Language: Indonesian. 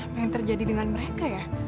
apa yang terjadi dengan mereka ya